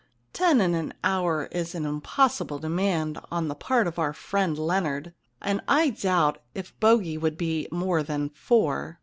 Ten in an hour is an im possible demand on the part of our friend Leonard, and I doubt if bogey would be more than four.